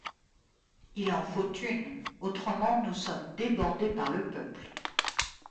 Il en faut une, autrement nous sommes débordés par le peuple.